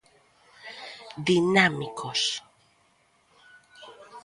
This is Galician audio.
Dinámicos.